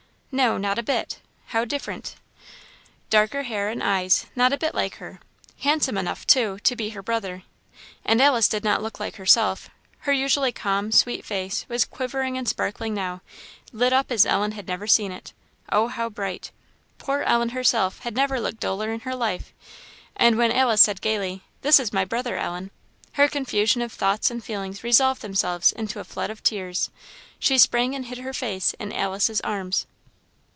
No, not a bit how different! darker hair and eyes not a bit like her; handsome enough, too, to be her brother. And Alice did not look like herself; her usually calm, sweet face was quivering and sparkling now lit up as Ellen had never seen it oh, how bright! Poor Ellen herself had never looked duller in her life; and when Alice said, gaily, "This is my brother, Ellen," her confusion of thoughts and feelings resolved themselves into a flood of tears; she sprang and hid her face in Alice's arms.